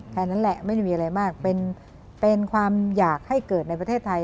แค่นั้นแหละไม่ได้มีอะไรมากเป็นความอยากให้เกิดในประเทศไทย